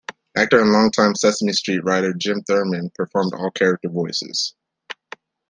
Actor and longtime Sesame Street writer Jim Thurman performed all character voices.